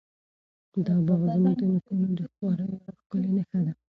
دا باغ زموږ د نیکونو د خواریو یوه ښکلې نښه ده.